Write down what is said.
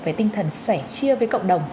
về tinh thần sẻ chia với cộng đồng